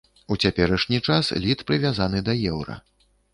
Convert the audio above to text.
У цяперашні час літ прывязаны да еўра.